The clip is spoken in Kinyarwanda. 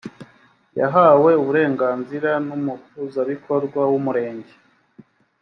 yahawe uburenganzira n ‘umuhuzabikorwa w ‘umurenge